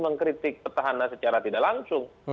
mengkritik petahana secara tidak langsung